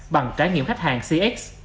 bằng trái nghiệm khách hàng cx